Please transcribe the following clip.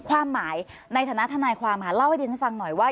ความหมายในฐานะทนายความค่ะเล่าให้ดิฉันฟังหน่อยว่า